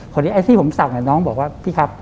ไอ้ที่ผมสั่งน้องบอกว่าพี่ครับ